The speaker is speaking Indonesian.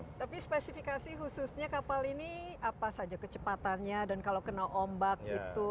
tapi spesifikasi khususnya kapal ini apa saja kecepatannya dan kalau kena ombak itu